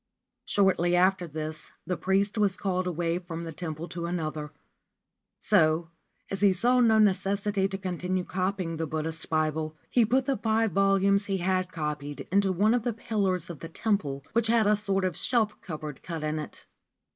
Shortly after this the priest was called away from the temple to another : so, as he saw no necessity to continue copying the Buddhist Bible, he put the five volumes he had copied into one of the pillars of the temple, which had a sort of shelf cupboard cut in it.